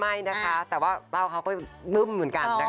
ไม่นะคะแต่ว่าเต้าเขาก็นึ่มเหมือนกันนะคะ